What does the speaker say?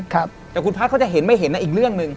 แต่คุณพัฒน์เขาจะเห็นไม่เห็นนะอีกเรื่องหนึ่ง